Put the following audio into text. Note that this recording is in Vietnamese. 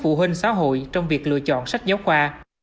phụ huynh xã hội trong việc lựa chọn sách giáo khoa